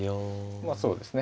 まあそうですね。